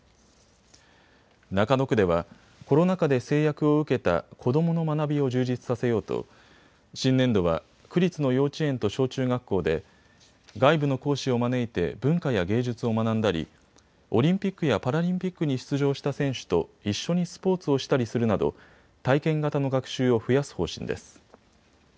中野区ではコロナ禍で制約を受けた子どもの学びを充実させようと新年度は区立の幼稚園と小中学校で外部の講師を招いて文化や芸術を学んだりオリンピックやパラリンピックに出場した選手と一緒にスポーツをしたりするなど体験型の学習を増やす方針です。